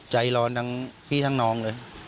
ใจร้อนที่ทางน้องเลย